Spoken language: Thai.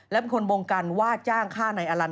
และเป็นคนบงกันว่าจ้างฆ่านายอลันต